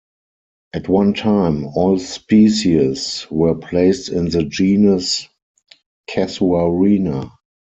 At one time, all species were placed in the genus "Casuarina".